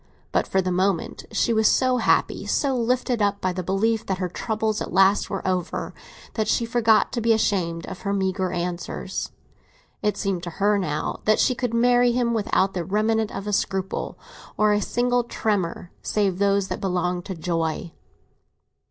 But for the moment she was so happy, so lifted up by the belief that her troubles at last were over, that she forgot to be ashamed of her meagre answers. It seemed to her now that she could marry him without the remnant of a scruple or a single tremor save those that belonged to joy.